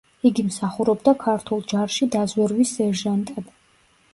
იგი მსახურობდა ქართულ ჯარში დაზვერვის სერჟანტად.